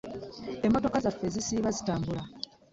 Emmotoka zaffe zisiiba zitambula.